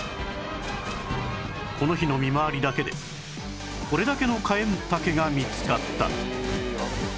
この日の見回りだけでこれだけのカエンタケが見つかった